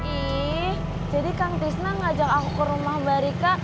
ih jadi kang tisna ngajak aku ke rumah barika